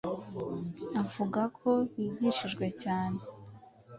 avuga ko bigishijwe cyane